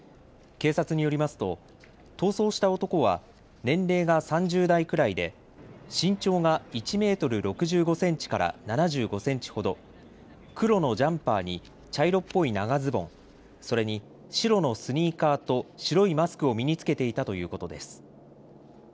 警察によりますと逃走した男は年齢が３０代くらいで身長が１メートル６５センチから７５センチほど、黒のジャンパーに茶色っぽい長ズボン、それに白のスニーカーと白いマスクを身に着けていたということです。